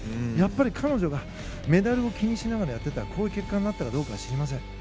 やっぱり彼女がメダルを気にしながらやっていたらこういう結果になったかどうかは知りません。